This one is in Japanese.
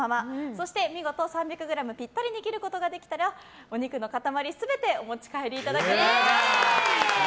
そして見事３００ｇぴったりに切ることができたらお肉の塊全てお持ち帰りいただけます。